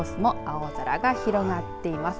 大津も青空が広がっています。